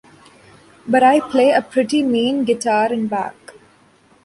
But I play a pretty mean guitar in back.